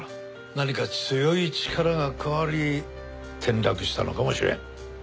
何か強い力が加わり転落したのかもしれん。